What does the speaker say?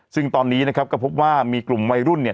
ซึ่งตอนนี้นะครับก็พบว่ามีกลุ่มวัยรุ่นเนี่ย